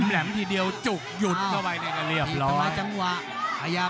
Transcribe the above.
แหลมทีเดียวจุกหยุดเข้าไปเลยนะเรียบร้อย